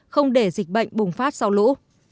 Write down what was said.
không để dịch bệnh bùng phát sau lũ